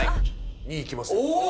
２いきます。